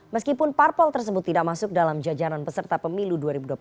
meskipun parpol tersebut tidak masuk dalam jajaran peserta pemilu dua ribu dua puluh empat